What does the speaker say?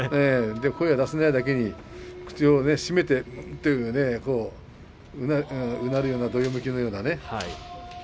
声が出せないだけに口を締めて、うーんといううなるようなどよめきのような。